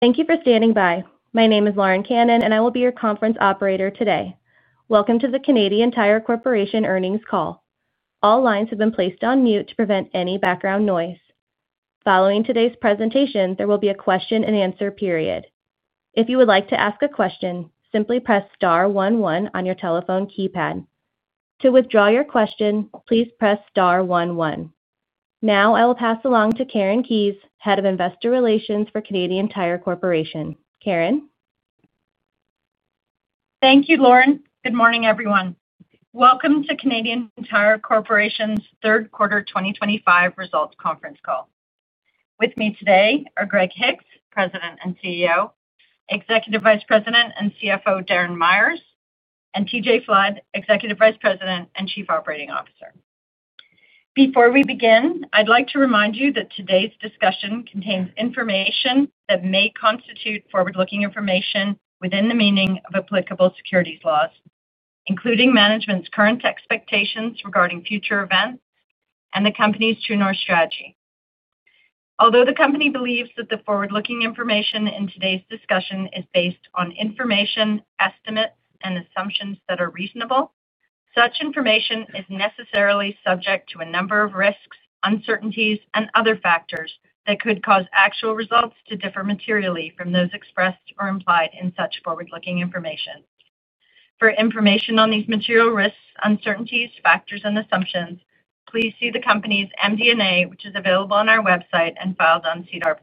Thank you for standing by. My name is Lauren Cannon, and I will be your conference operator today. Welcome to the Canadian Tire Corporation earnings call. All lines have been placed on mute to prevent any background noise. Following today's presentation, there will be a question-and-answer period. If you would like to ask a question, simply press star one one on your telephone keypad. To withdraw your question, please press star one one. Now I will pass along to Karen Keyes, Head of Investor Relations for Canadian Tire Corporation. Karen. Thank you, Lauren. Good morning, everyone. Welcome to Canadian Tire Corporation's third quarter 2025 results conference call. With me today are Greg Hicks, President and CEO, Executive Vice President and CFO Darren Myers, and TJ Flood, Executive Vice President and Chief Operating Officer. Before we begin, I'd like to remind you that today's discussion contains information that may constitute forward-looking information within the meaning of applicable securities laws, including management's current expectations regarding future events and the company's True North strategy. Although the company believes that the forward-looking information in today's discussion is based on information, estimates, and assumptions that are reasonable, such information is necessarily subject to a number of risks, uncertainties, and other factors that could cause actual results to differ materially from those expressed or implied in such forward-looking information. For information on these material risks, uncertainties, factors, and assumptions, please see the company's MD&A, which is available on our website and filed on SEDAR+.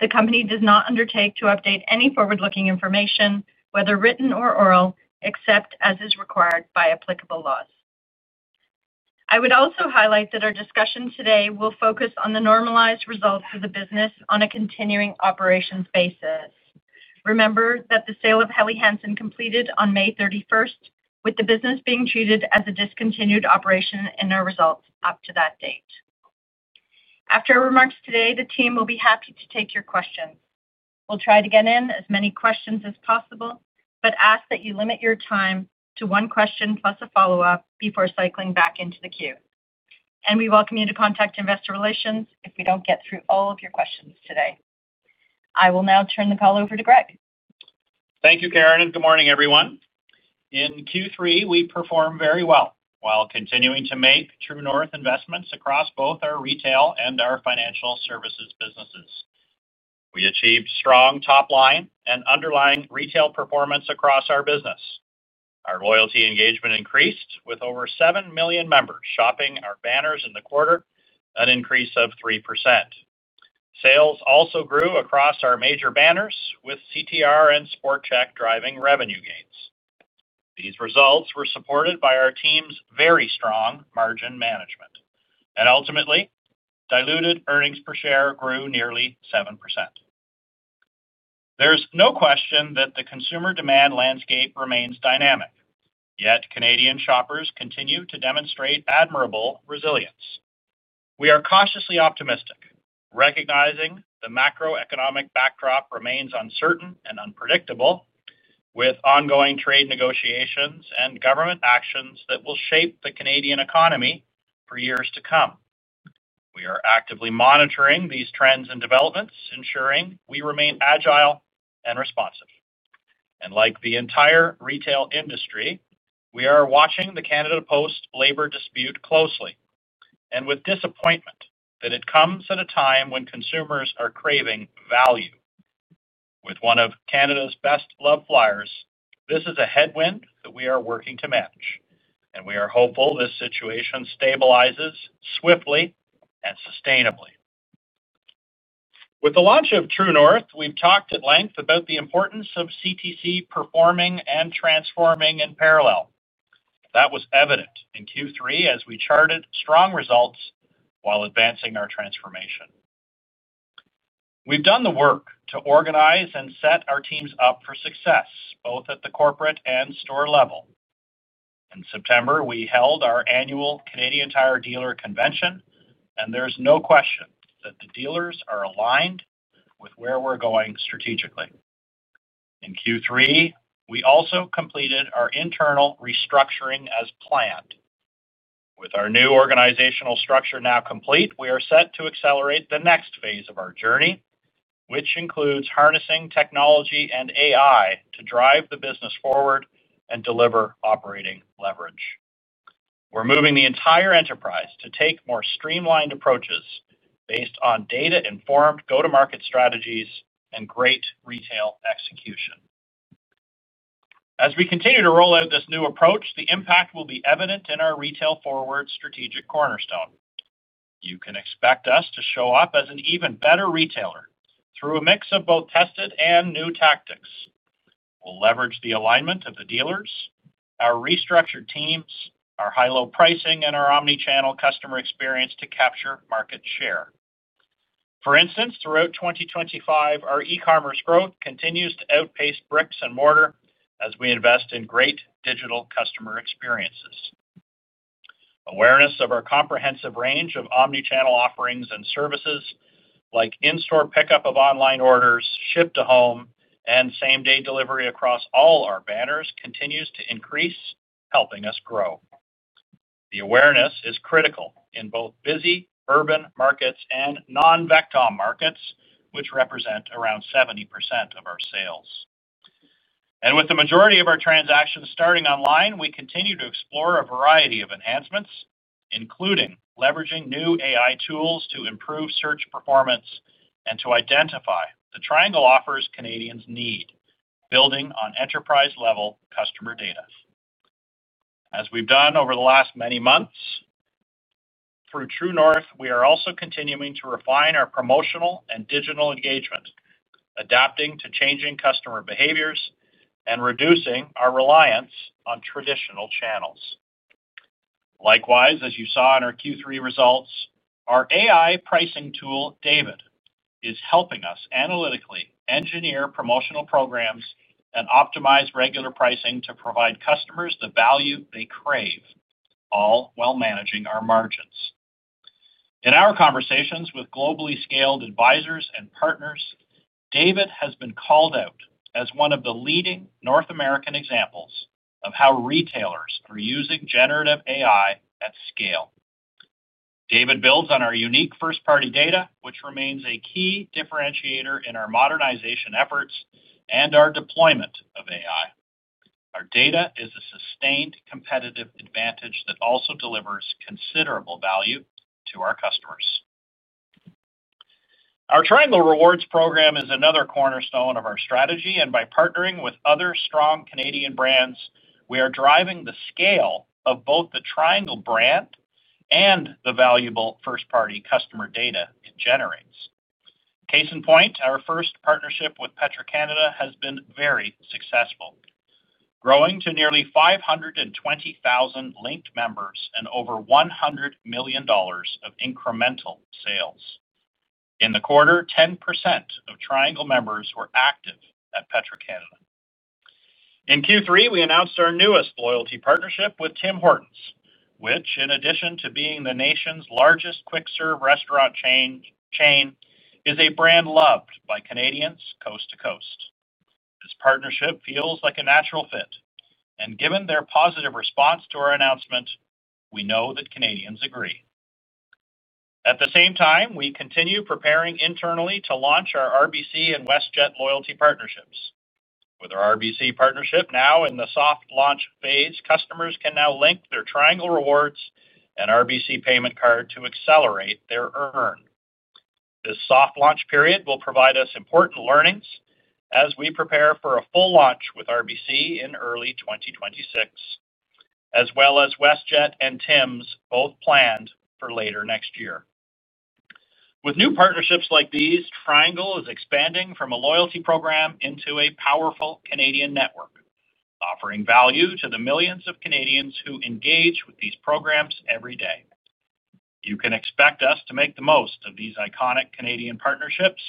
The company does not undertake to update any forward-looking information, whether written or oral, except as is required by applicable laws. I would also highlight that our discussion today will focus on the normalized results of the business on a continuing operations basis. Remember that the sale of Helly Hansen completed on May 31st, with the business being treated as a discontinued operation in our results up to that date. After our remarks today, the team will be happy to take your questions. We'll try to get in as many questions as possible, but ask that you limit your time to one question plus a follow-up before cycling back into the queue. We welcome you to contact investor relations if we do not get through all of your questions today. I will now turn the call over to Greg. Thank you, Karen. Good morning, everyone. In Q3, we performed very well while continuing to make True North investments across both our retail and our Financial Services businesses. We achieved strong top line and underlying retail performance across our business. Our loyalty engagement increased with over 7 million members shopping our banners in the quarter, an increase of 3%. Sales also grew across our major banners with CTR and Sport Chek driving revenue gains. These results were supported by our team's very strong margin management. Ultimately, diluted earnings per share grew nearly 7%. There is no question that the consumer demand landscape remains dynamic, yet Canadian shoppers continue to demonstrate admirable resilience. We are cautiously optimistic, recognizing the macroeconomic backdrop remains uncertain and unpredictable, with ongoing trade negotiations and government actions that will shape the Canadian economy for years to come. We are actively monitoring these trends and developments, ensuring we remain agile and responsive. Like the entire retail industry, we are watching the Canada Post labor dispute closely and with disappointment that it comes at a time when consumers are craving value. With one of Canada's best-loved flyers, this is a headwind that we are working to match, and we are hopeful this situation stabilizes swiftly and sustainably. With the launch of True North, we have talked at length about the importance of CTC performing and transforming in parallel. That was evident in Q3 as we charted strong results while advancing our transformation. We have done the work to organize and set our teams up for success both at the corporate and store level. In September, we held our annual Canadian Tire Dealer Convention, and there is no question that the dealers are aligned with where we are going strategically. In Q3, we also completed our internal restructuring as planned. With our new organizational structure now complete, we are set to accelerate the next phase of our journey, which includes harnessing technology and AI to drive the business forward and deliver operating leverage. We're moving the entire enterprise to take more streamlined approaches based on data-informed go-to-market strategies and great retail execution. As we continue to roll out this new approach, the impact will be evident in our retail-forward strategic cornerstone. You can expect us to show up as an even better retailer through a mix of both tested and new tactics. We'll leverage the alignment of the dealers, our restructured teams, our high-low pricing, and our omnichannel customer experience to capture market share. For instance, throughout 2025, our e-commerce growth continues to outpace bricks and mortar as we invest in great digital customer experiences. Awareness of our comprehensive range of omnichannel offerings and services like in-store pickup of online orders, ship to home, and same-day delivery across all our banners continues to increase, helping us grow. The awareness is critical in both busy urban markets and non-vectom markets, which represent around 70% of our sales. With the majority of our transactions starting online, we continue to explore a variety of enhancements, including leveraging new AI tools to improve search performance and to identify the Triangle offers Canadians need, building on enterprise-level customer data, as we've done over the last many months. Through True North, we are also continuing to refine our promotional and digital engagement, adapting to changing customer behaviors and reducing our reliance on traditional channels. Likewise, as you saw in our Q3 results, our AI pricing tool, David, is helping us analytically engineer promotional programs and optimize regular pricing to provide customers the value they crave, all while managing our margins. In our conversations with globally scaled advisors and partners, David has been called out as one of the leading North American examples of how retailers are using generative AI at scale. David builds on our unique first-party data, which remains a key differentiator in our modernization efforts and our deployment of AI. Our data is a sustained competitive advantage that also delivers considerable value to our customers. Our Triangle Rewards program is another cornerstone of our strategy, and by partnering with other strong Canadian brands, we are driving the scale of both the Triangle brand and the valuable first-party customer data it generates. Case in point, our first partnership with Petro-Canada has been very successful. Growing to nearly 520,000 linked members and over 100 million dollars of incremental sales. In the quarter, 10% of Triangle members were active at Petro-Canada. In Q3, we announced our newest loyalty partnership with Tim Hortons, which, in addition to being the nation's largest quick-serve restaurant chain, is a brand loved by Canadians coast to coast. This partnership feels like a natural fit, and given their positive response to our announcement, we know that Canadians agree. At the same time, we continue preparing internally to launch our RBC and WestJet loyalty partnerships. With our RBC partnership now in the soft launch phase, customers can now link their Triangle Rewards and RBC payment card to accelerate their earn. This soft launch period will provide us important learnings as we prepare for a full launch with RBC in early 2026. As well as WestJet and Tim's, both planned for later next year. With new partnerships like these, Triangle is expanding from a loyalty program into a powerful Canadian network, offering value to the millions of Canadians who engage with these programs every day. You can expect us to make the most of these iconic Canadian partnerships,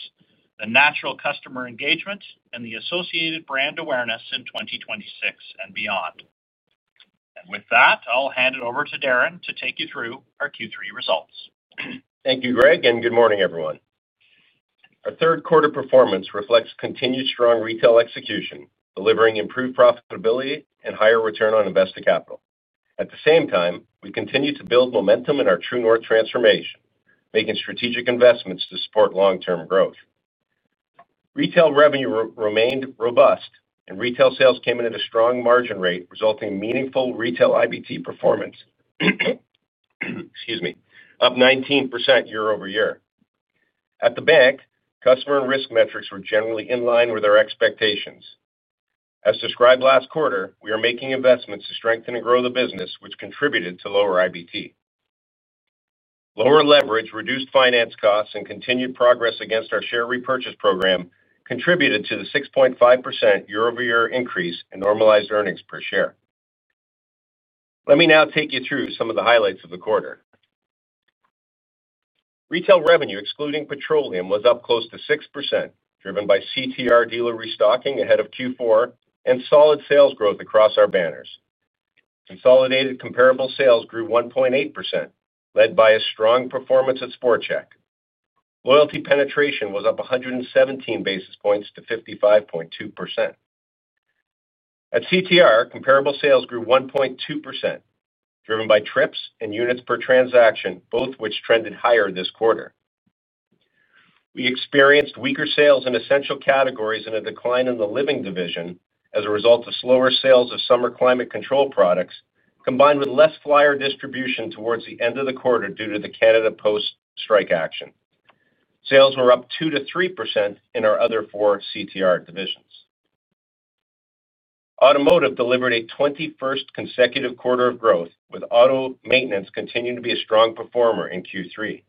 the natural customer engagement, and the associated brand awareness in 2026 and beyond. With that, I'll hand it over to Darren to take you through our Q3 results. Thank you, Greg, and good morning, everyone. Our third-quarter performance reflects continued strong retail execution, delivering improved profitability and higher return on invested capital. At the same time, we continue to build momentum in our True North transformation, making strategic investments to support long-term growth. Retail revenue remained robust, and retail sales came in at a strong margin rate, resulting in meaningful retail IBT performance. Excuse me, up 19% year-over-year. At the bank, customer and risk metrics were generally in line with our expectations. As described last quarter, we are making investments to strengthen and grow the business, which contributed to lower IBT. Lower leverage, reduced finance costs, and continued progress against our share repurchase program contributed to the 6.5% year-over-year increase in normalized earnings per share. Let me now take you through some of the highlights of the quarter. Retail revenue, excluding Petroleum, was up close to 6%, driven by CTR dealer restocking ahead of Q4 and solid sales growth across our banners. Consolidated comparable sales grew 1.8%, led by a strong performance at Sport Chek. Loyalty penetration was up 117 basis points to 55.2%. At CTR, comparable sales grew 1.2%, driven by trips and units per transaction, both of which trended higher this quarter. We experienced weaker sales in essential categories and a decline in the Living division as a result of slower sales of summer climate control products, combined with less flyer distribution towards the end of the quarter due to the Canada Post strike action. Sales were up 2%-3% in our other four CTR divisions. Automotive delivered a 21st consecutive quarter of growth, with auto maintenance continuing to be a strong performer in Q3.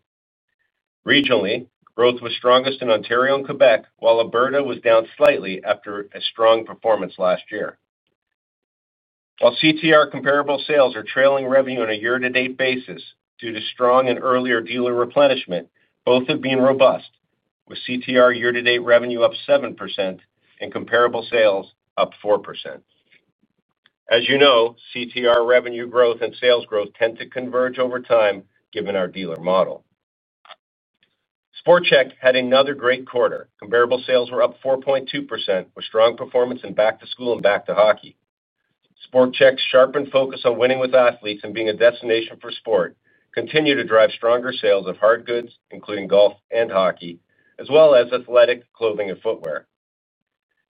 Regionally, growth was strongest in Ontario and Quebec, while Alberta was down slightly after a strong performance last year. While CTR comparable sales are trailing revenue on a year-to-date basis due to strong and earlier dealer replenishment, both have been robust, with CTR year-to-date revenue up 7% and comparable sales up 4%. As you know, CTR revenue growth and sales growth tend to converge over time, given our dealer model. Sport Chek had another great quarter. Comparable sales were up 4.2%, with strong performance in back-to-school and back-to-hockey. Sport Chek's sharpened focus on winning with athletes and being a destination for sport continued to drive stronger sales of hard goods, including golf and hockey, as well as athletic clothing and footwear.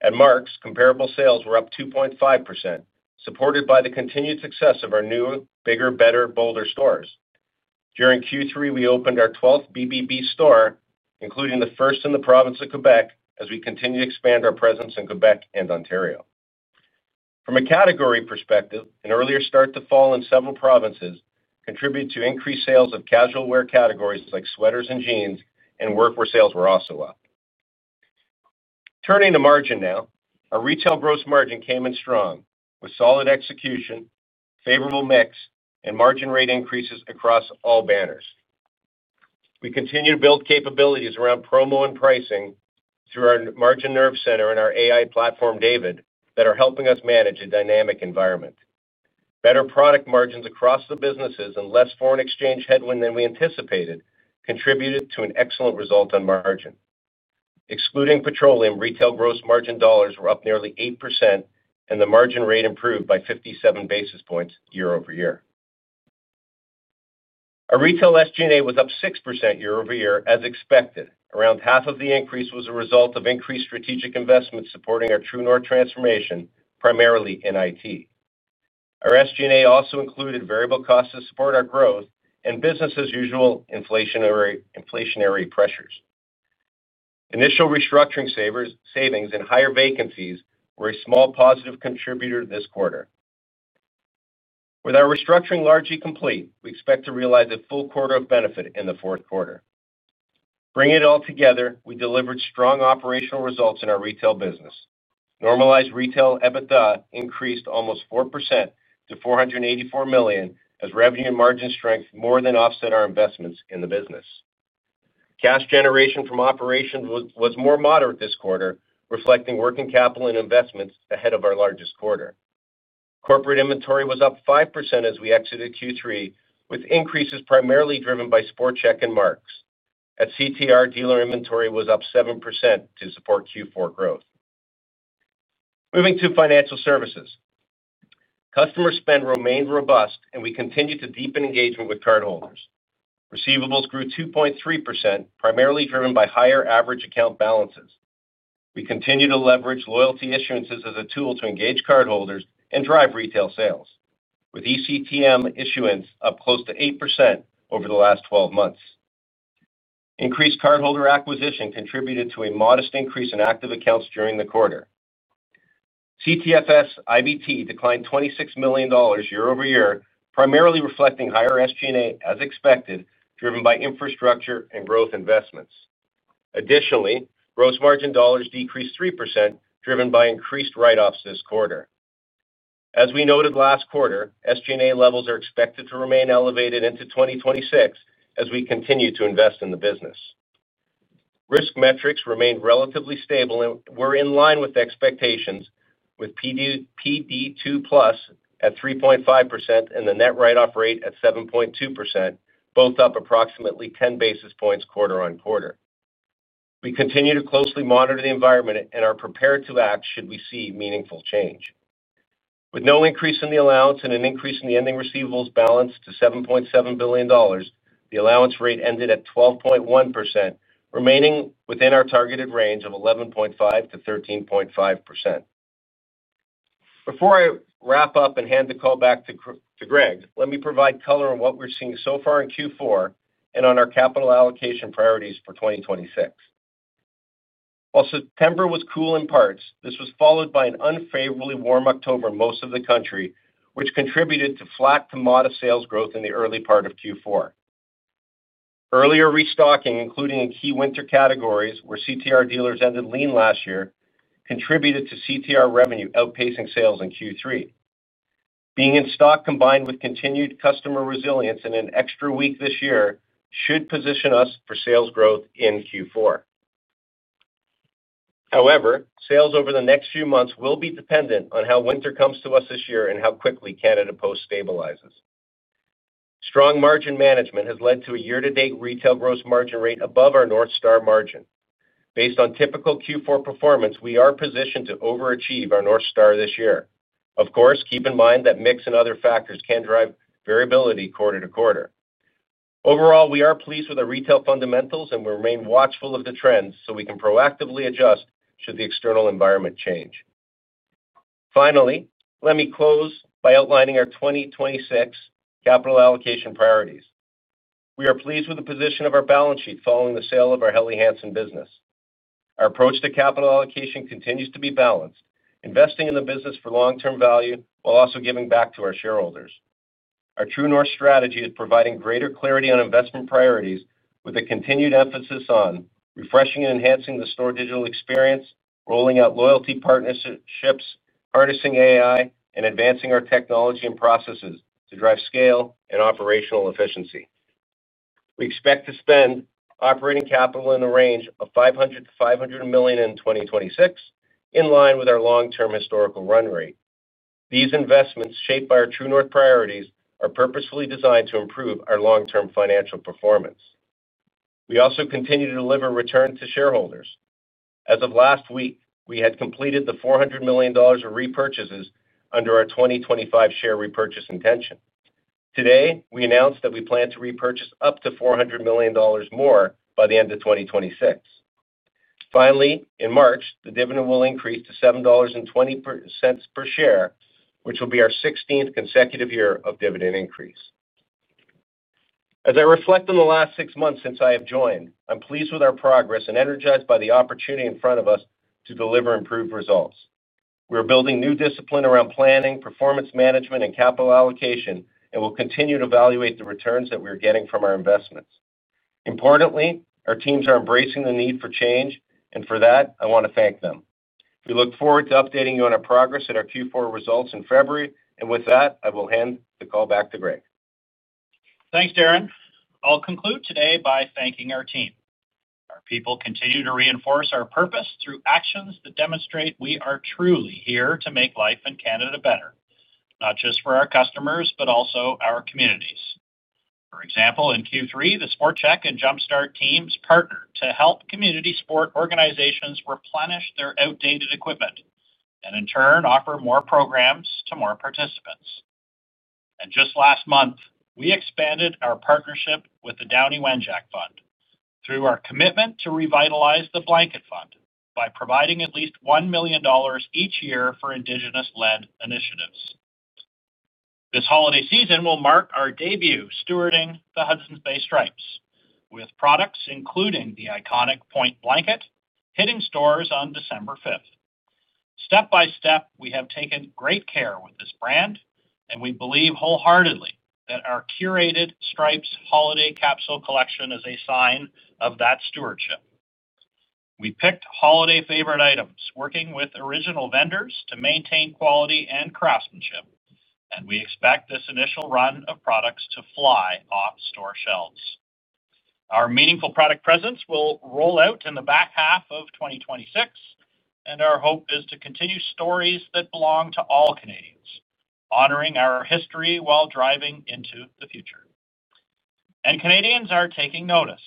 At Mark's, comparable sales were up 2.5%, supported by the continued success of our newer, bigger, better, bolder stores. During Q3, we opened our 12th BBB store, including the first in the province of Quebec, as we continue to expand our presence in Quebec and Ontario. From a category perspective, an earlier start to fall in several provinces contributed to increased sales of casual wear categories like sweaters and jeans, and workwear sales were also up. Turning to margin now, our retail gross margin came in strong, with solid execution, favorable mix, and margin rate increases across all banners. We continue to build capabilities around promo and pricing through our margin nerve center and our AI platform, David, that are helping us manage a dynamic environment. Better product margins across the businesses and less foreign exchange headwind than we anticipated contributed to an excellent result on margin. Excluding Petroleum, retail gross margin dollars were up nearly 8%, and the margin rate improved by 57 basis points year-over-year. Our retail SG&A was up 6% year-over-year, as expected. Around half of the increase was a result of increased strategic investments supporting our True North transformation, primarily in IT. Our SG&A also included variable costs to support our growth and business-as-usual inflationary pressures. Initial restructuring savings and higher vacancies were a small positive contributor this quarter. With our restructuring largely complete, we expect to realize a full quarter of benefit in the fourth quarter. Bringing it all together, we delivered strong operational results in our retail business. Normalized retail EBITDA increased almost 4% to 484 million, as revenue and margin strength more than offset our investments in the business. Cash generation from operations was more moderate this quarter, reflecting working capital and investments ahead of our largest quarter. Corporate inventory was up 5% as we exited Q3, with increases primarily driven by Sport Chek and Mark's. At CTR, dealer inventory was up 7% to support Q4 growth. Moving to Financial Services. Customer spend remained robust, and we continued to deepen engagement with cardholders. Receivables grew 2.3%, primarily driven by higher average account balances. We continue to leverage loyalty issuances as a tool to engage cardholders and drive retail sales, with ECTM issuance up close to 8% over the last 12 months. Increased cardholder acquisition contributed to a modest increase in active accounts during the quarter. CTFS IBT declined 26 million dollars year-over-year, primarily reflecting higher SG&A, as expected, driven by infrastructure and growth investments. Additionally, gross margin dollars decreased 3%, driven by increased write-offs this quarter. As we noted last quarter, SG&A levels are expected to remain elevated into 2026 as we continue to invest in the business. Risk metrics remained relatively stable and were in line with expectations, with PD2 Plus at 3.5% and the net write-off rate at 7.2%, both up approximately 10 basis points quarter on quarter. We continue to closely monitor the environment and are prepared to act should we see meaningful change. With no increase in the allowance and an increase in the ending receivables balance to 7.7 billion dollars, the allowance rate ended at 12.1%, remaining within our targeted range of one one.5%-13.5%. Before I wrap up and hand the call back to Greg, let me provide color on what we're seeing so far in Q4 and on our capital allocation priorities for 2026. While September was cool in parts, this was followed by an unfavorably warm October in most of the country, which contributed to flat to modest sales growth in the early part of Q4. Earlier restocking, including key winter categories where CTR dealers ended lean last year, contributed to CTR revenue outpacing sales in Q3. Being in stock, combined with continued customer resilience in an extra week this year, should position us for sales growth in Q4. However, sales over the next few months will be dependent on how winter comes to us this year and how quickly Canada Post stabilizes. Strong margin management has led to a year-to-date retail gross margin rate above our North Star margin. Based on typical Q4 performance, we are positioned to overachieve our North Star this year. Of course, keep in mind that mix and other factors can drive variability quarter to quarter. Overall, we are pleased with our retail fundamentals and will remain watchful of the trends so we can proactively adjust should the external environment change. Finally, let me close by outlining our 2026 capital allocation priorities. We are pleased with the position of our balance sheet following the sale of our Helly Hansen business. Our approach to capital allocation continues to be balanced, investing in the business for long-term value while also giving back to our shareholders. Our True North strategy is providing greater clarity on investment priorities with a continued emphasis on refreshing and enhancing the store digital experience, rolling out loyalty partnerships, harnessing AI, and advancing our technology and processes to drive scale and operational efficiency. We expect to spend operating capital in the range of 500 million-500 million in 2026, in line with our long-term historical run rate. These investments, shaped by our True North priorities, are purposefully designed to improve our long-term financial performance. We also continue to deliver return to shareholders. As of last week, we had completed the 400 million dollars of repurchases under our 2025 share repurchase intention. Today, we announced that we plan to repurchase up to 400 million dollars more by the end of 2026. Finally, in March, the dividend will increase to 7.20 dollars per share, which will be our 16th consecutive year of dividend increase. As I reflect on the last six months since I have joined, I'm pleased with our progress and energized by the opportunity in front of us to deliver improved results. We are building new discipline around planning, performance management, and capital allocation, and will continue to evaluate the returns that we are getting from our investments. Importantly, our teams are embracing the need for change, and for that, I want to thank them. We look forward to updating you on our progress and our Q4 results in February, and with that, I will hand the call back to Greg. Thanks, Darren. I'll conclude today by thanking our team. Our people continue to reinforce our purpose through actions that demonstrate we are truly here to make life in Canada better, not just for our customers, but also our communities. For example, in Q3, the Sport Chek and Jumpstart teams partnered to help community sport organizations replenish their outdated equipment and, in turn, offer more programs to more participants. Just last month, we expanded our partnership with the Downie Wenjack Fund through our commitment to revitalize the Blanket Fund by providing at least 1 million dollars each year for Indigenous-led initiatives. This holiday season will mark our debut stewarding the Hudson's Bay Stripes with products including the iconic Point Blanket, hitting stores on December 5th. Step by step, we have taken great care with this brand, and we believe wholeheartedly that our curated Stripes holiday capsule collection is a sign of that stewardship. We picked holiday favorite items, working with original vendors to maintain quality and craftsmanship, and we expect this initial run of products to fly off store shelves. Our meaningful product presence will roll out in the back half of 2026, and our hope is to continue stories that belong to all Canadians, honoring our history while driving into the future. Canadians are taking notice.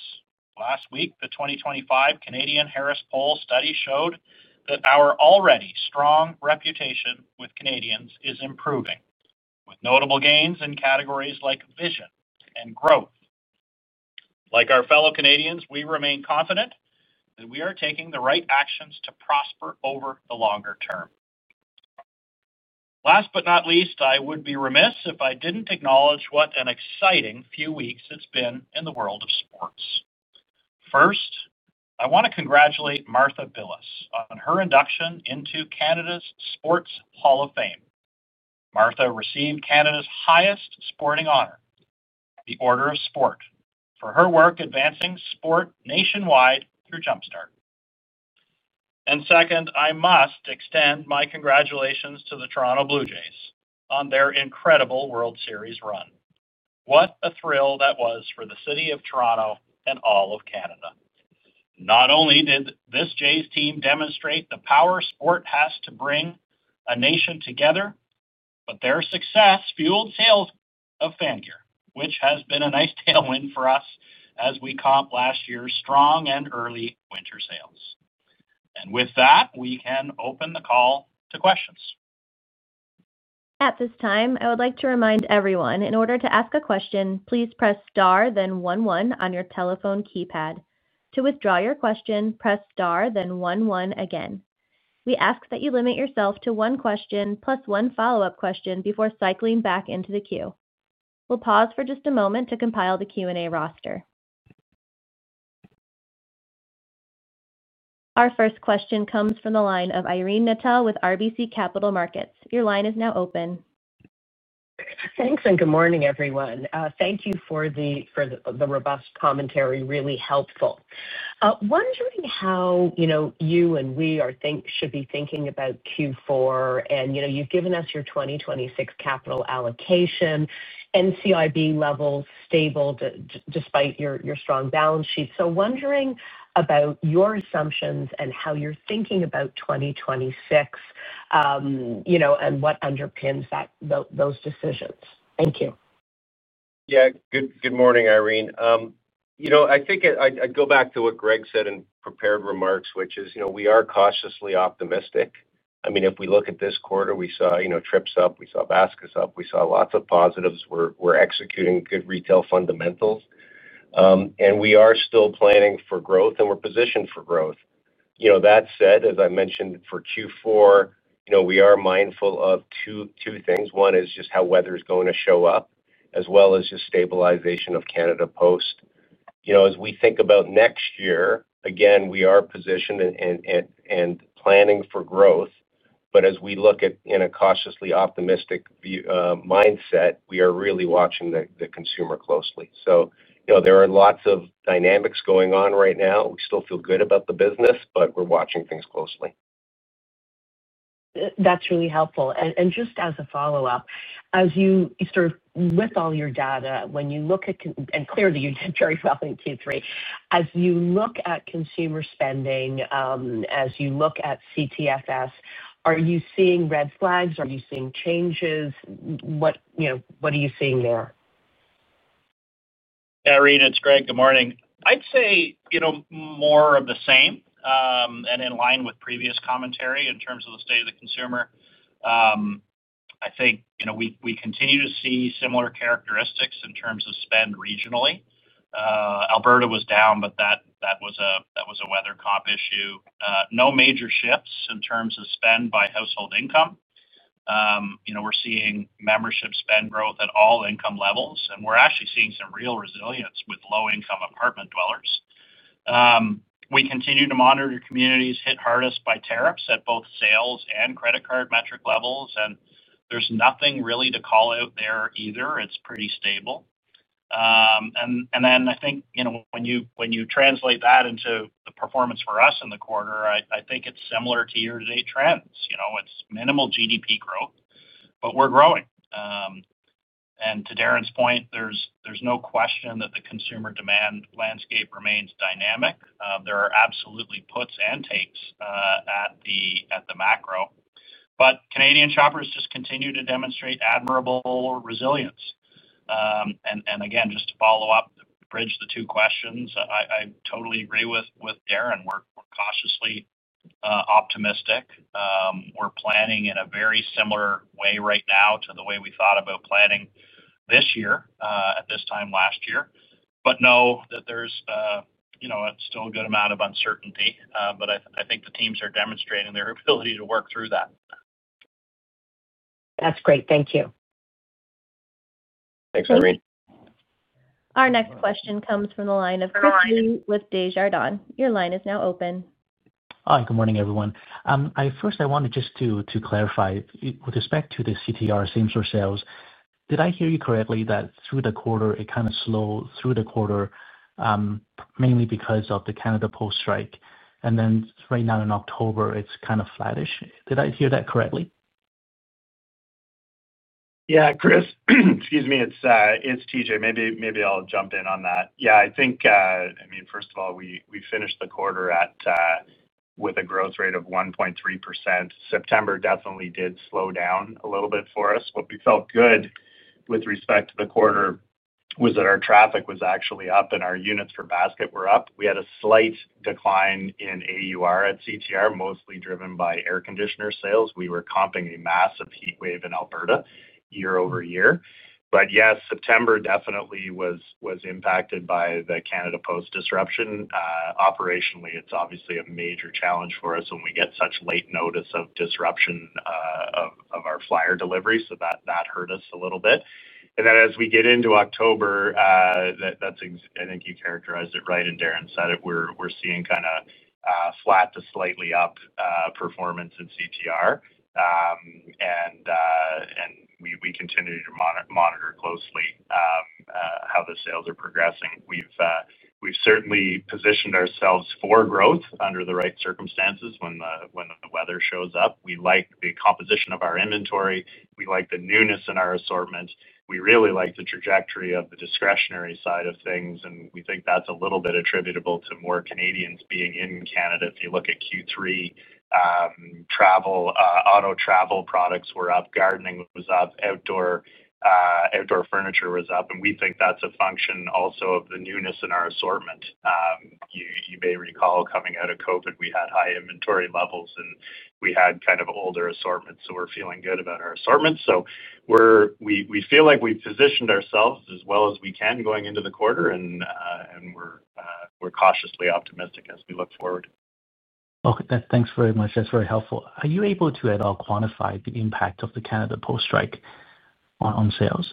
Last week, the 2025 Canadian Harris Poll study showed that our already strong reputation with Canadians is improving, with notable gains in categories like vision and growth. Like our fellow Canadians, we remain confident that we are taking the right actions to prosper over the longer-term. Last but not least, I would be remiss if I did not acknowledge what an exciting few weeks it has been in the world of sports. First, I want to congratulate Martha Billes on her induction into Canada's Sports Hall of Fame. Martha received Canada's highest sporting honor, the Order of Sport, for her work advancing sport nationwide through Jumpstart. Second, I must extend my congratulations to the Toronto Blue Jays on their incredible World Series run. What a thrill that was for the city of Toronto and all of Canada. Not only did this Jays team demonstrate the power sport has to bring a nation together, but their success fueled sales of fan gear, which has been a nice tailwind for us as we comp last year's strong and early winter sales. With that, we can open the call to questions. At this time, I would like to remind everyone, in order to ask a question, please press star, then one one on your telephone keypad. To withdraw your question, press star, then one one again. We ask that you limit yourself to one question plus one follow-up question before cycling back into the queue. We'll pause for just a moment to compile the Q&A roster. Our first question comes from the line of Irene Nattel with RBC Capital Markets. Your line is now open. Thanks and good morning, everyone. Thank you for the robust commentary, really helpful. Wondering how you and we should be thinking about Q4, and you have given us your 2026 capital allocation, NCIB levels stable despite your strong balance sheet. Wondering about your assumptions and how you are thinking about 2026. What underpins those decisions. Thank you. Yeah, good morning, Irene. I think I'd go back to what Greg said in prepared remarks, which is we are cautiously optimistic. I mean, if we look at this quarter, we saw trips up, we saw baskets up, we saw lots of positives. We're executing good retail fundamentals. We are still planning for growth, and we're positioned for growth. That said, as I mentioned, for Q4, we are mindful of two things. One is just how weather is going to show up, as well as just stabilization of Canada Post. As we think about next year, again, we are positioned and planning for growth, but as we look at it in a cautiously optimistic mindset, we are really watching the consumer closely. There are lots of dynamics going on right now. We still feel good about the business, but we're watching things closely. That's really helpful. Just as a follow-up, as you sort of, with all your data, when you look at, and clearly you did very well in Q3, as you look at consumer spending, as you look at CTFS, are you seeing red flags? Are you seeing changes? What are you seeing there? Yeah, Irene, it's Greg. Good morning. I'd say more of the same and in line with previous commentary in terms of the state of the consumer. I think we continue to see similar characteristics in terms of spend regionally. Alberta was down, but that was a weather comp issue. No major shifts in terms of spend by household income. We're seeing membership spend growth at all income levels, and we're actually seeing some real resilience with low-income apartment dwellers. We continue to monitor communities hit hardest by tariffs at both sales and credit card metric levels, and there's nothing really to call out there either. It's pretty stable. I think when you translate that into the performance for us in the quarter, I think it's similar to year-to-date trends. It's minimal GDP growth, but we're growing. To Darren's point, there's no question that the consumer demand landscape remains dynamic. There are absolutely puts and takes at the macro. Canadian shoppers just continue to demonstrate admirable resilience. Again, just to follow-up, bridge the two questions, I totally agree with Darren. We're cautiously optimistic. We're planning in a very similar way right now to the way we thought about planning this year at this time last year. Know that there's still a good amount of uncertainty, but I think the teams are demonstrating their ability to work through that. That's great. Thank you. Thanks, Irene. Our next question comes from the line of Chris Li with Desjardins. Your line is now open. Hi, good morning, everyone. First, I wanted just to clarify with respect to the CTR same-store sales, did I hear you correctly that through the quarter, it kind of slowed through the quarter? Mainly because of the Canada Post strike? And then right now in October, it's kind of flattish. Did I hear that correctly? Yeah, Chris, excuse me, it's TJ. Maybe I'll jump in on that. Yeah, I think, I mean, first of all, we finished the quarter with a growth rate of 1.3%. September definitely did slow down a little bit for us. What we felt good with respect to the quarter was that our traffic was actually up and our units per basket were up. We had a slight decline in AUR at CTR, mostly driven by air conditioner sales. We were comping a massive heat wave in Alberta year-over-year. Yes, September definitely was impacted by the Canada Post disruption. Operationally, it's obviously a major challenge for us when we get such late notice of disruption of our flyer delivery, so that hurt us a little bit. As we get into October, I think you characterized it right, and Darren said it, we're seeing kind of flat to slightly up performance in CTR. We continue to monitor closely how the sales are progressing. We've certainly positioned ourselves for growth under the right circumstances when the weather shows up. We like the composition of our inventory. We like the newness in our assortment. We really like the trajectory of the discretionary side of things, and we think that's a little bit attributable to more Canadians being in Canada. If you look at Q3, auto travel products were up, gardening was up, outdoor furniture was up, and we think that's a function also of the newness in our assortment. You may recall coming out of COVID, we had high inventory levels, and we had kind of older assortments, so we're feeling good about our assortments. We feel like we've positioned ourselves as well as we can going into the quarter, and we're cautiously optimistic as we look forward. Okay, thanks very much. That's very helpful. Are you able to at all quantify the impact of the Canada Post strike on sales?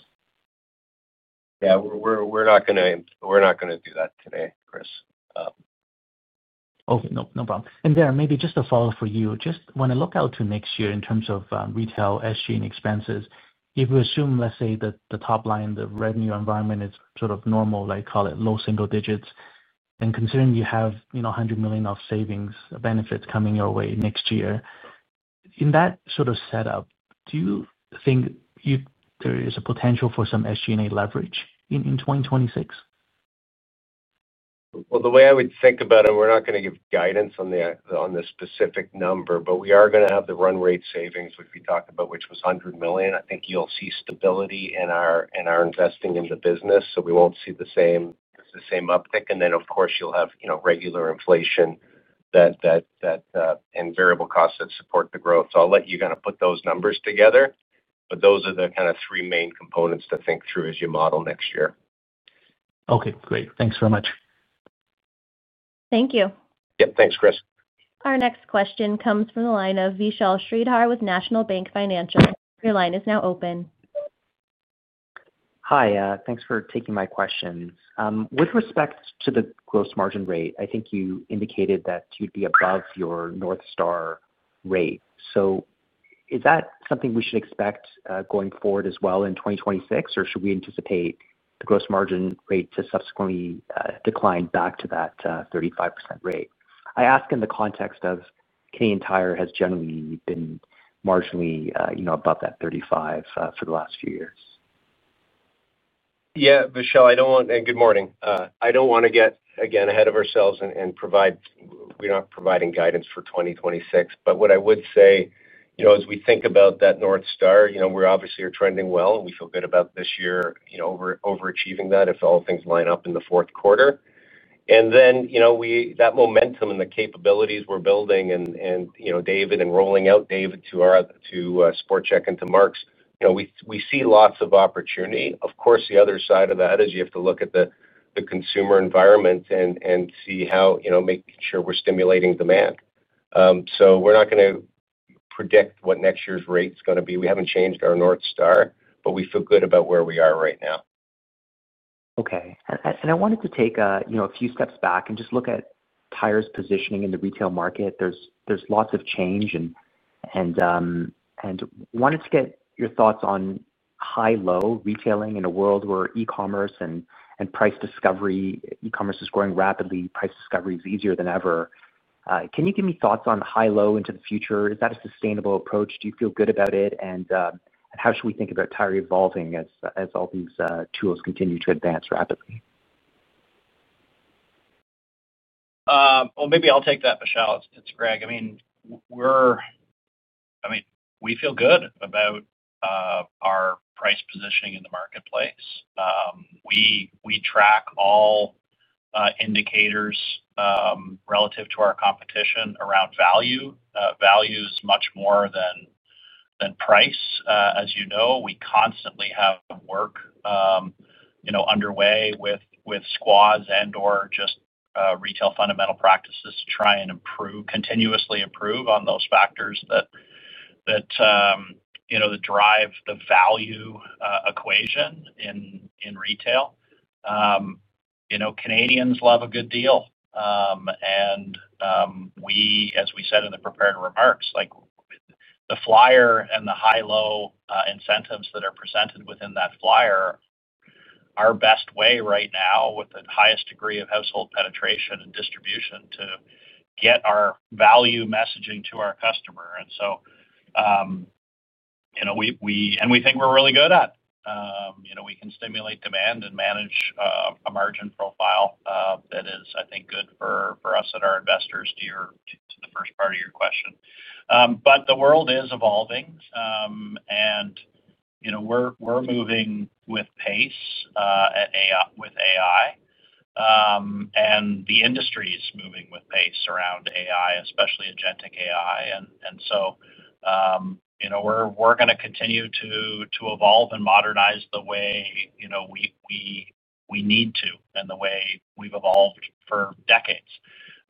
Yeah, we're not going to do that today, Chris. Okay, no problem. Darren, maybe just a follow-up for you. Just when I look out to next year in terms of retail SG&A expenses, if we assume, let's say, that the top line, the revenue environment is sort of normal, like call it low single digits, and considering you have 100 million of savings benefits coming your way next year. In that sort of setup, do you think there is a potential for some SG&A leverage in 2026? The way I would think about it, we're not going to give guidance on the specific number, but we are going to have the run rate savings, which we talked about, which was 100 million. I think you'll see stability in our investing in the business, so we won't see the same uptick. Of course, you'll have regular inflation. And variable costs that support the growth. I'll let you kind of put those numbers together, but those are the three main components to think through as you model next year. Okay, great. Thanks very much. Thank you. Yep, thanks, Chris. Our next question comes from the line of Vishal Shreedhar with National Bank Financial. Your line is now open. Hi, thanks for taking my questions. With respect to the gross margin rate, I think you indicated that you'd be above your North Star rate. Is that something we should expect going forward as well in 2026, or should we anticipate the gross margin rate to subsequently decline back to that 35% rate? I ask in the context of Canadian Tire has generally been marginally above that 35% for the last few years. Yeah, Vishal, and good morning. I do not want to get, again, ahead of ourselves and provide, we are not providing guidance for 2026, but what I would say. As we think about that North Star, we obviously are trending well, and we feel good about this year overachieving that if all things line up in the fourth quarter. That momentum and the capabilities we are building, and David, and rolling out David to Sport Chek and to Mark's, we see lots of opportunity. Of course, the other side of that is you have to look at the consumer environment and see how making sure we are stimulating demand. We are not going to predict what next year's rate is going to be. We have not changed our North Star, but we feel good about where we are right now. Okay. I wanted to take a few steps back and just look at Tire's positioning in the retail market. There's lots of change. I wanted to get your thoughts on high-low retailing in a world where e-commerce and price discovery, e-commerce is growing rapidly, price discovery is easier than ever. Can you give me thoughts on high-low into the future? Is that a sustainable approach? Do you feel good about it? How should we think about Tire evolving as all these tools continue to advance rapidly? Maybe I'll take that, Vishal. It's Greg. I mean, we feel good about our price positioning in the marketplace. We track all indicators relative to our competition around value. Value is much more than price. As you know, we constantly have work underway with squads and/or just retail fundamental practices to try and continuously improve on those factors that drive the value equation in retail. Canadians love a good deal. As we said in the prepared remarks, the flyer and the high-low incentives that are presented within that flyer are our best way right now with the highest degree of household penetration and distribution to get our value messaging to our customer. We think we're really good at it. We can stimulate demand and manage a margin profile that is, I think, good for us and our investors to the first part of your question. The world is evolving. We are moving with pace with AI, and the industry is moving with pace around AI, especially agentic AI. We are going to continue to evolve and modernize the way we need to and the way we have evolved for decades.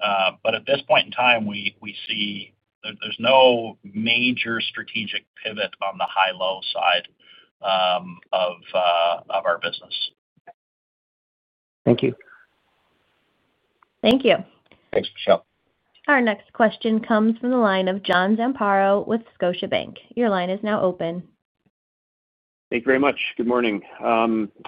At this point in time, we see there is no major strategic pivot on the high-low side of our business. Thank you. Thank you. Thanks, Vishal. Our next question comes from the line of John Zamparo with Scotiabank. Your line is now open. Thank you very much. Good morning. I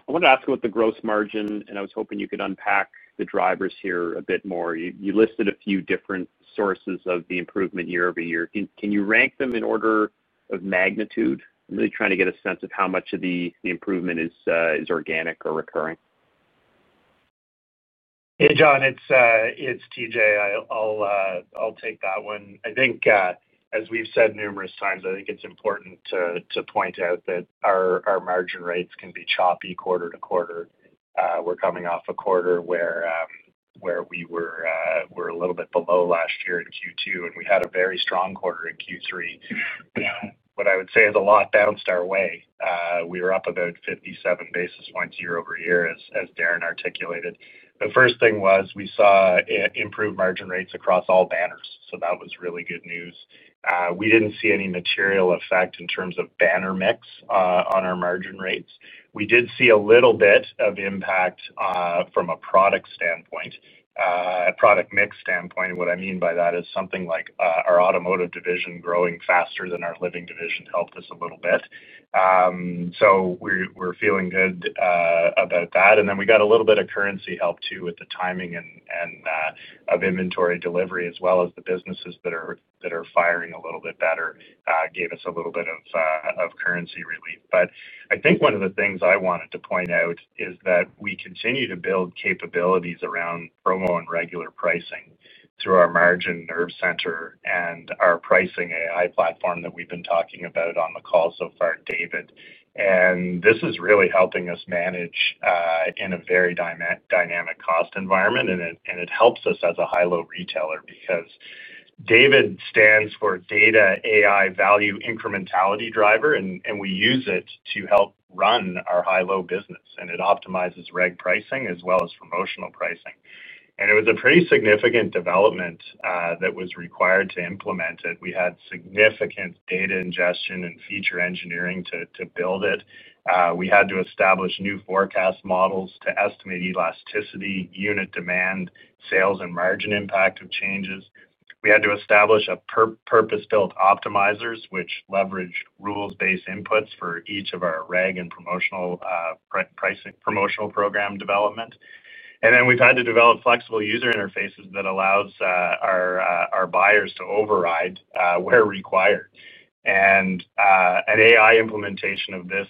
wanted to ask about the gross margin, and I was hoping you could unpack the drivers here a bit more. You listed a few different sources of the improvement year-over-year. Can you rank them in order of magnitude? I'm really trying to get a sense of how much of the improvement is organic or recurring. Hey, John, it's TJ. I'll take that one. I think, as we've said numerous times, I think it's important to point out that our margin rates can be choppy quarter to quarter. We're coming off a quarter where we were a little bit below last year in Q2, and we had a very strong quarter in Q3. What I would say is a lot bounced our way. We were up about 57 basis points year-over-year, as Darren articulated. The first thing was we saw improved margin rates across all banners. So that was really good news. We didn't see any material effect in terms of banner mix on our margin rates. We did see a little bit of impact from a product standpoint. Product mix standpoint. What I mean by that is something like our automotive division growing faster than our living division helped us a little bit. We are feeling good about that. We got a little bit of currency help too with the timing of inventory delivery, as well as the businesses that are firing a little bit better gave us a little bit of currency relief. I think one of the things I wanted to point out is that we continue to build capabilities around promo and regular pricing through our margin nerve center and our pricing AI platform that we have been talking about on the call so far, David. This is really helping us manage in a very dynamic cost environment. It helps us as a high-low retailer because David stands for data AI value incrementality driver, and we use it to help run our high-low business. It optimizes reg pricing as well as promotional pricing. It was a pretty significant development that was required to implement it. We had significant data ingestion and feature engineering to build it. We had to establish new forecast models to estimate elasticity, unit demand, sales, and margin impact of changes. We had to establish purpose-built optimizers, which leverage rules-based inputs for each of our reg and promotional program development. We have had to develop flexible user interfaces that allow our buyers to override where required. An AI implementation of this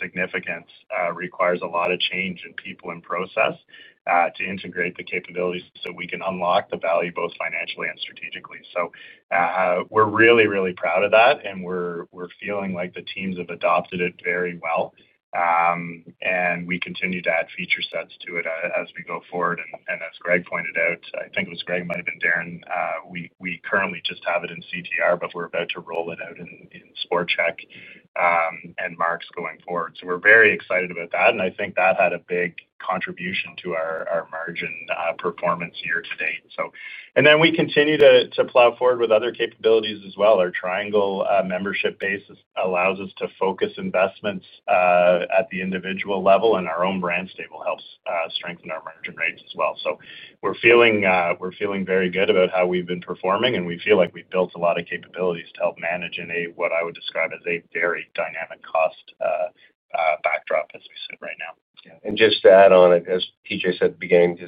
significance requires a lot of change in people and process to integrate the capabilities so we can unlock the value both financially and strategically. We're really, really proud of that. We're feeling like the teams have adopted it very well. We continue to add feature sets to it as we go forward. As Greg pointed out, I think it was Greg, it might have been Darren, we currently just have it in CTR, but we're about to roll it out in Sport Chek and Mark's going forward. We're very excited about that. I think that had a big contribution to our margin performance year to date. We continue to plow forward with other capabilities as well. Our Triangle membership base allows us to focus investments at the individual level, and our own brand stable helps strengthen our margin rates as well. We're feeling. Very good about how we've been performing, and we feel like we've built a lot of capabilities to help manage in what I would describe as a very dynamic cost backdrop as we sit right now. Just to add on it, as TJ said at the beginning,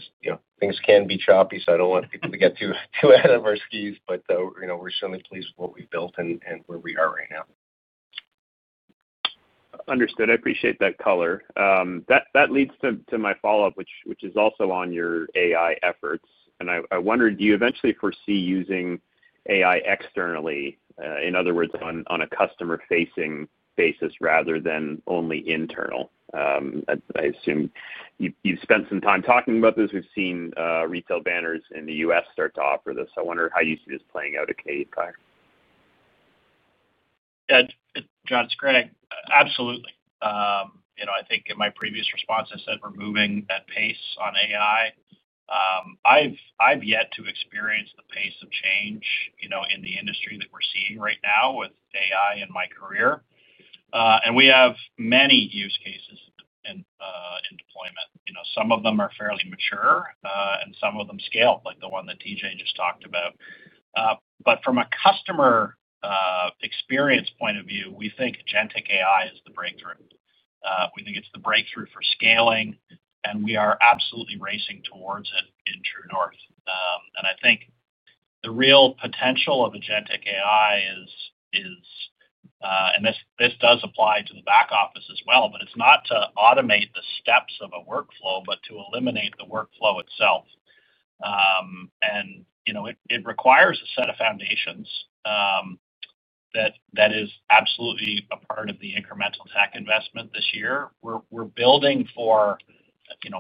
things can be choppy, so I do not want people to get too ahead of our skis, but we are certainly pleased with what we have built and where we are right now. Understood. I appreciate that color. That leads to my follow-up, which is also on your AI efforts. I wondered, do you eventually foresee using AI externally? In other words, on a customer-facing basis rather than only internal. I assume you've spent some time talking about this. We've seen retail banners in the U.S. start to offer this. I wonder how you see this playing out at Canadian Tire. Yeah, John, it's Greg. Absolutely. I think in my previous response, I said we're moving at pace on AI. I've yet to experience the pace of change in the industry that we're seeing right now with AI in my career. We have many use cases in deployment. Some of them are fairly mature, and some of them scale, like the one that TJ just talked about. From a customer experience point of view, we think agentic AI is the breakthrough. We think it's the breakthrough for scaling, and we are absolutely racing towards it in True North. I think the real potential of agentic AI is, and this does apply to the back office as well, but it's not to automate the steps of a workflow, but to eliminate the workflow itself. It requires a set of foundations. That is absolutely a part of the incremental tech investment this year. We're building for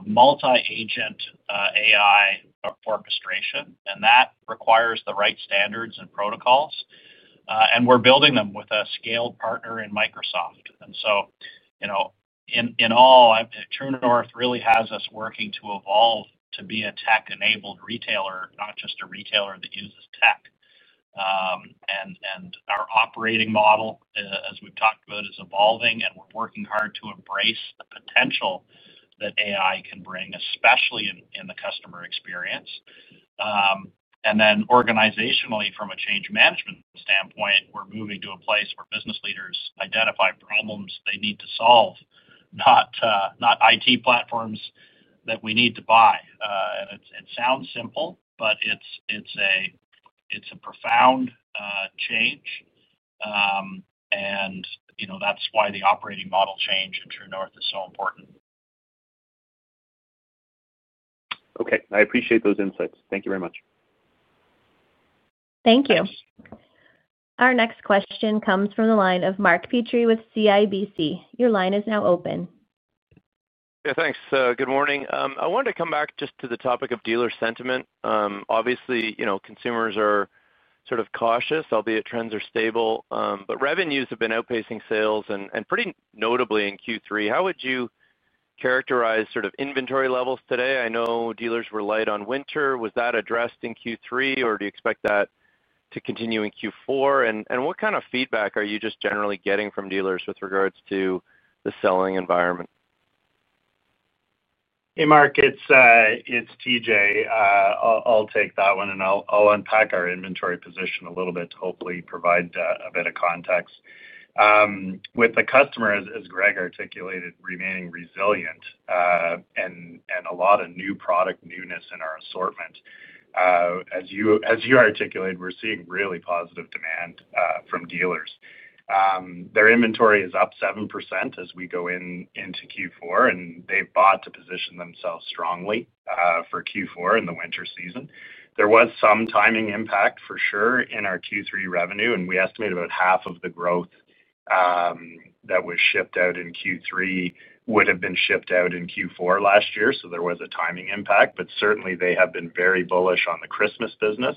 multi-agent AI orchestration, and that requires the right standards and protocols. We're building them with a scaled partner in Microsoft. In all, True North really has us working to evolve to be a tech-enabled retailer, not just a retailer that uses tech. Our operating model, as we've talked about, is evolving, and we're working hard to embrace the potential that AI can bring, especially in the customer experience. Then organizationally, from a change management standpoint, we're moving to a place where business leaders identify problems they need to solve, not IT platforms that we need to buy. It sounds simple, but it's a profound change. That's why the operating model change in True North is so important. Okay. I appreciate those insights. Thank you very much. Thank you. Our next question comes from the line of Mark Petrie with CIBC. Your line is now open. Yeah, thanks. Good morning. I wanted to come back just to the topic of dealer sentiment. Obviously, consumers are sort of cautious, albeit trends are stable. Revenues have been outpacing sales and pretty notably in Q3. How would you characterize sort of inventory levels today? I know dealers were light on winter. Was that addressed in Q3, or do you expect that to continue in Q4? What kind of feedback are you just generally getting from dealers with regards to the selling environment? Hey, Mark, it's TJ. I'll take that one, and I'll unpack our inventory position a little bit to hopefully provide a bit of context. With the customers, as Greg articulated, remaining resilient. And a lot of new product newness in our assortment. As you articulated, we're seeing really positive demand from dealers. Their inventory is up 7% as we go into Q4, and they've bought to position themselves strongly for Q4 in the winter season. There was some timing impact for sure in our Q3 revenue, and we estimate about half of the growth that was shipped out in Q3 would have been shipped out in Q4 last year. There was a timing impact. Certainly, they have been very bullish on the Christmas business,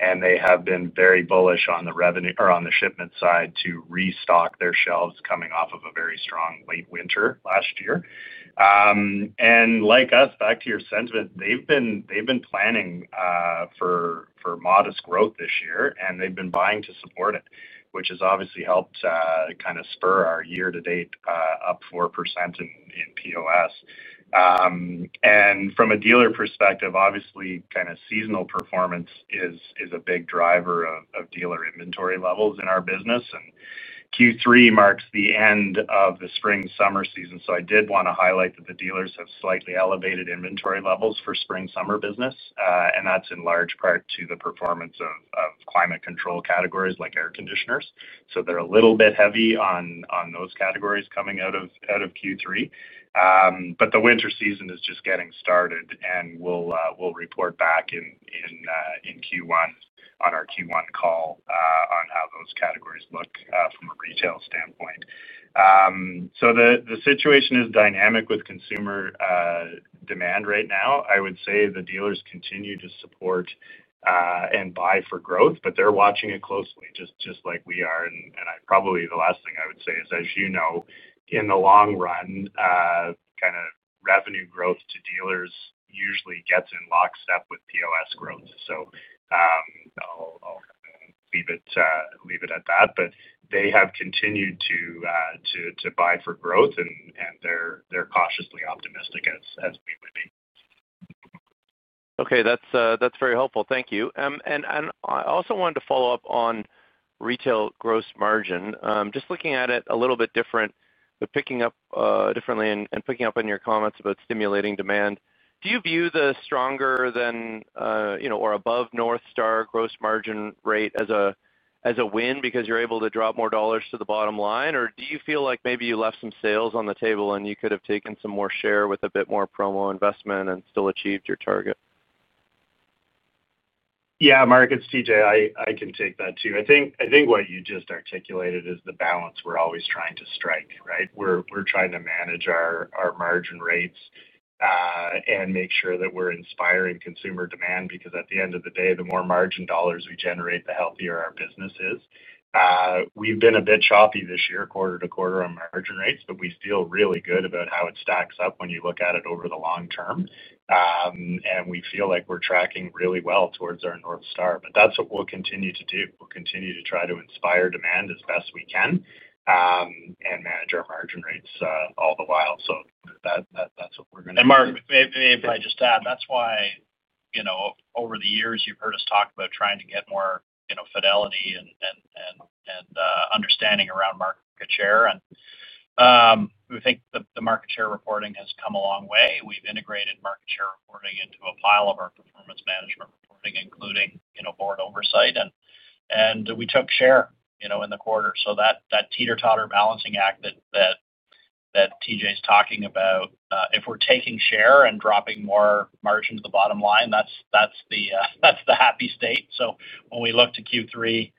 and they have been very bullish on the shipment side to restock their shelves coming off of a very strong late winter last year. Like us, back to your sentiment, they've been planning for modest growth this year, and they've been buying to support it, which has obviously helped kind of spur our year-to-date up 4% in POS. From a dealer perspective, obviously, kind of seasonal performance is a big driver of dealer inventory levels in our business. Q3 marks the end of the spring-summer season. I did want to highlight that the dealers have slightly elevated inventory levels for spring-summer business. That's in large part due to the performance of climate control categories like air conditioners. They're a little bit heavy on those categories coming out of Q3. The winter season is just getting started, and we'll report back in Q1 on our Q1 call on how those categories look from a retail standpoint. The situation is dynamic with consumer demand right now. I would say the dealers continue to support and buy for growth, but they're watching it closely, just like we are. Probably the last thing I would say is, as you know, in the long run, kind of revenue growth to dealers usually gets in lockstep with POS growth. I'll leave it at that. They have continued to buy for growth, and they're cautiously optimistic as we would be. Okay. That's very helpful. Thank you. I also wanted to follow-up on retail gross margin. Just looking at it a little bit different. Picking up differently and picking up on your comments about stimulating demand. Do you view the stronger than or above North Star gross margin rate as a win because you're able to drop more dollars to the bottom line? Do you feel like maybe you left some sales on the table and you could have taken some more share with a bit more promo investment and still achieved your target? Yeah, Mark, it's TJ. I can take that too. I think what you just articulated is the balance we're always trying to strike, right? We're trying to manage our margin rates and make sure that we're inspiring consumer demand because at the end of the day, the more margin dollars we generate, the healthier our business is. We've been a bit choppy this year, quarter to quarter on margin rates, but we feel really good about how it stacks up when you look at it over the long-term. We feel like we're tracking really well towards our North Star. That's what we'll continue to do. We'll continue to try to inspire demand as best we can and manage our margin rates all the while. That's what we're going to do. Mark, maybe I just add, that's why. Over the years, you've heard us talk about trying to get more fidelity and understanding around market share. We think the market share reporting has come a long way. We've integrated market share reporting into a pile of our performance management reporting, including board oversight. We took share in the quarter. That teeter-totter balancing act that TJ is talking about, if we're taking share and dropping more margin to the bottom line, that's the happy state. When we look to Q3,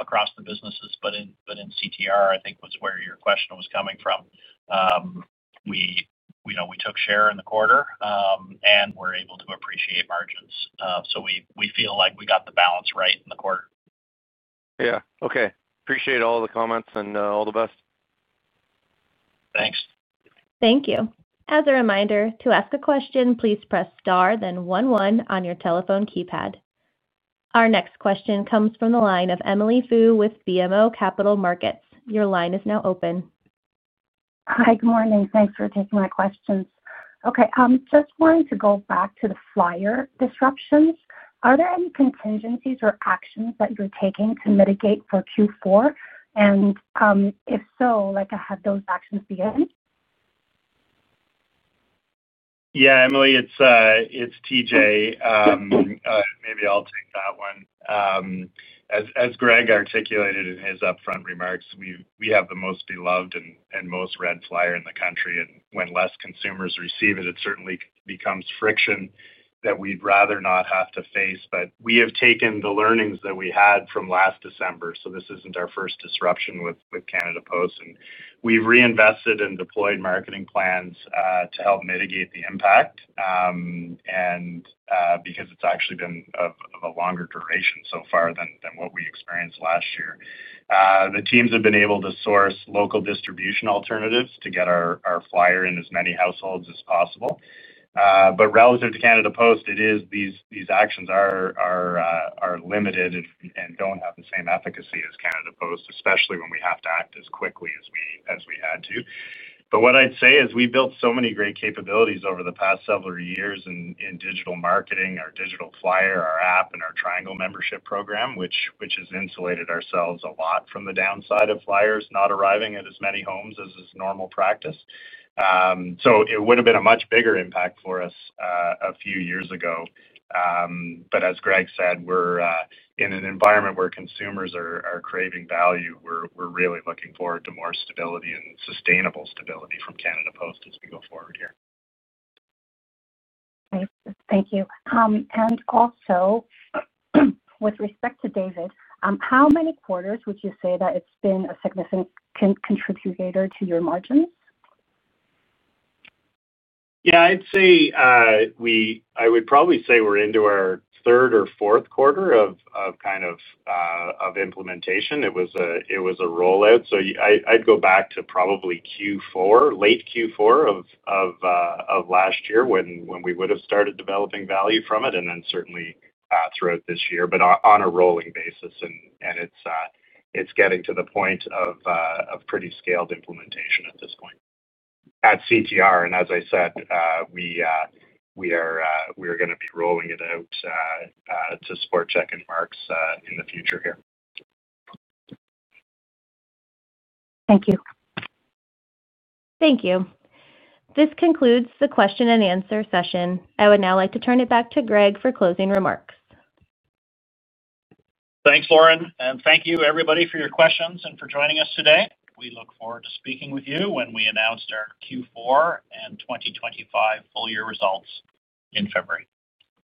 across the businesses, but in CTR, I think was where your question was coming from, we took share in the quarter, and we're able to appreciate margins. We feel like we got the balance right in the quarter. Yeah. Okay. Appreciate all the comments and all the best. Thanks. Thank you. As a reminder, to ask a question, please press star, then one one on your telephone keypad. Our next question comes from the line of Emily Foo with BMO Capital Markets. Your line is now open. Hi, good morning. Thanks for taking my questions. Okay. Just wanted to go back to the flyer disruptions. Are there any contingencies or actions that you're taking to mitigate for Q4? If so, have those actions begun? Yeah, Emily, it's TJ. Maybe I'll take that one. As Greg articulated in his upfront remarks, we have the most beloved and most read flyer in the country. When fewer consumers receive it, it certainly becomes friction that we'd rather not have to face. We have taken the learnings that we had from last December. This is not our first disruption with Canada Post. We have reinvested and deployed marketing plans to help mitigate the impact. Because it's actually been of a longer duration so far than what we experienced last year, the teams have been able to source local distribution alternatives to get our flyer in as many households as possible. Relative to Canada Post, these actions are limited and do not have the same efficacy as Canada Post, especially when we have to act as quickly as we had to. What I'd say is we built so many great capabilities over the past several years in digital marketing, our digital flyer, our app, and our Triangle membership program, which has insulated ourselves a lot from the downside of flyers not arriving at as many homes as is normal practice. It would have been a much bigger impact for us a few years ago. As Greg said, we're in an environment where consumers are craving value. We're really looking forward to more stability and sustainable stability from Canada Post as we go forward here. Thank you. Also, with respect to David, how many quarters would you say that it's been a significant contributor to your margins? Yeah, I'd say. I would probably say we're into our third or fourth quarter of kind of implementation. It was a rollout. I'd go back to probably Q4, late Q4 of last year when we would have started developing value from it, and then certainly throughout this year, but on a rolling basis. It's getting to the point of pretty scaled implementation at this point at CTR. As I said, we are going to be rolling it out to Sport Chek and Mark's in the future here. Thank you. Thank you. This concludes the question and answer session. I would now like to turn it back to Greg for closing remarks. Thanks, Karen. Thank you, everybody, for your questions and for joining us today. We look forward to speaking with you when we announce our Q4 and 2025 full-year results in February.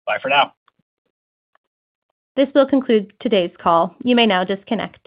Bye for now. This will conclude today's call. You may now disconnect.